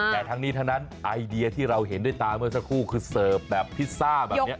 แต่ทั้งนี้ทั้งนั้นไอเดียที่เราเห็นด้วยตาเมื่อสักครู่คือเสิร์ฟแบบพิซซ่าแบบนี้